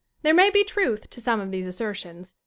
There may be truth to some of these assertions.